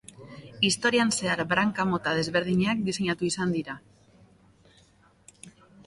Historian zehar branka mota desberdinak diseinatu izan dira.